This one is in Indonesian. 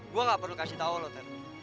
gue gak perlu kasih tau lu ter